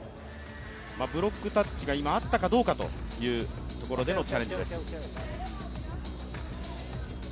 ブロックタッチが今、あったかどうかというところでのチャレンジです。